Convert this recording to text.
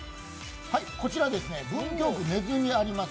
文京区根津にあります